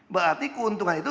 berarti keuntungan itu